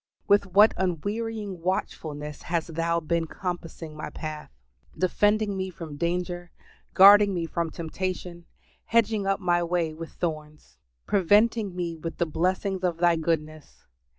With what unwearying watchfulness has Thou been compassing my path! defending me from danger, guarding me from temptation, hedging up my way with thorns, "preventing me with the blessings of Thy goodness!"